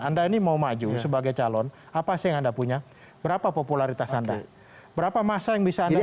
anda ini mau maju sebagai calon apa sih yang anda punya berapa popularitas anda berapa masa yang bisa anda lihat